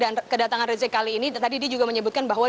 dan kedatangan rizik kali ini tadi dia juga menyebutkan bahwa